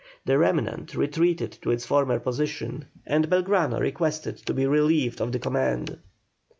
The remnant retreated to its former position, and Belgrano requested to be relieved of the command.